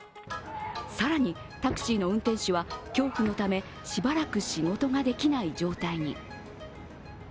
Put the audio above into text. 更に、タクシーの運転手は恐怖のため、しばらく仕事ができない状態に。